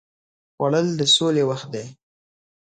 خوړل د سولې وخت دی